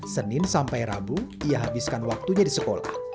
senin sampai rabu ia habiskan waktunya di sekolah